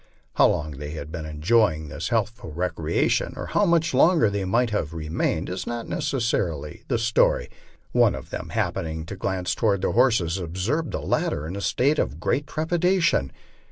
How long they had been enjoying this healthful recreation, or how much longer they might have re mained, is not necessary to the story. One of them happening to glance to ward their horses observed the latter m a state of great trepidation.